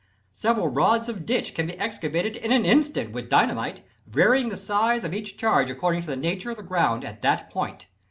Several rods of ditch can be excavated in an instant with dynamite, varying the size of each charge according to the nature of the ground at that point.